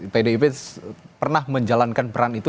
pdip pernah menjalankan peran itu